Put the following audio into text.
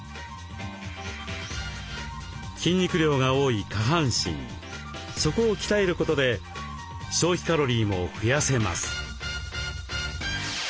筋肉量が多い下半身そこを鍛えることで消費カロリーも増やせます。